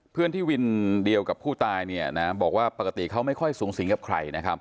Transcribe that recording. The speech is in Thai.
เพื่อนที่วินเดียวกับผู้ตายบอกว่าปกติเขาไม่ค่อยสูงสิงกับใครนะครับ